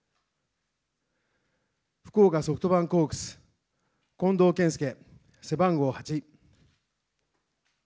福岡ソフトバンクホークス、近藤健介、背番号８。